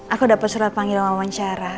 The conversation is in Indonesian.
aku dapet surat panggilan sama wawancara